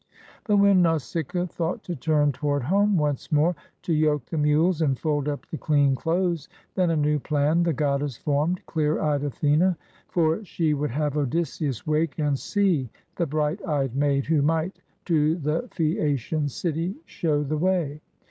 But when Nausicaa thought to turn toward home once more, to yoke the mules and fold up the clean clothes, then a new plan the goddess formed, clear eyed Athene; for she would have Odysseus wake and see the bright eyed maid, who might to the Phasacian city show 26 PRINCESS NAUSICAA AND THE SAILOR the way.